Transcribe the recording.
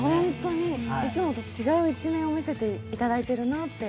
いつもと違う一面を見せていただいてるなって。